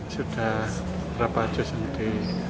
sudah berapa juz yang di